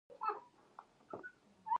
پښتون ژغورني غورځنګ د لر او بر تړون رسمي کړ.